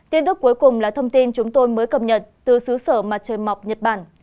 tin tức cuối cùng là thông tin chúng tôi mới cập nhật từ xứ sở mặt trời mọc nhật bản